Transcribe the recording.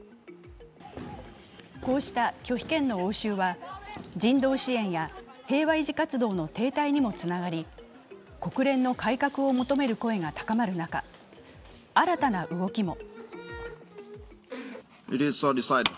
こうした拒否権の応酬は、人道支援や平和維持活動の停滞にもつながり国連の改革を求める声が高まる中、新たな動きも。